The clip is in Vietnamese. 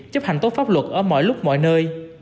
chấp hành tốt pháp luật ở mọi lúc mọi nơi